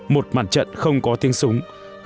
một mặt trận không có tiếng súng không có tên súng